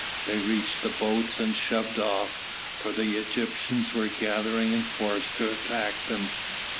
They reached the boats and shoved off, for the Egyptians were gathering in force to attack them.